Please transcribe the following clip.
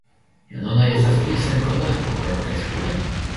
Junuloj estas pli senkoloraj ol plenkreskuloj.